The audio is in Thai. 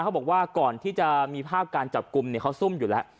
เขาบอกว่าก่อนที่จะมีภาพการจับกลุ่มเขาซุ่มอยู่แล้ว